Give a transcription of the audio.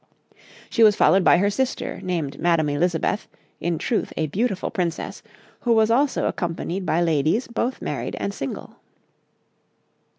'She was followed by her sister, named Madame Elizabeth, in truth a beautiful Princess, who was also accompanied by ladies both married and single.'